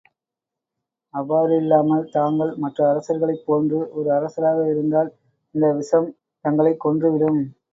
அவ்வாறு இல்லாமல், தாங்கள் மற்ற அரசர்களைப் போன்று ஓர் அரசராக இருந்தால், இந்த விஷம் தங்களைக் கொன்று விடும்.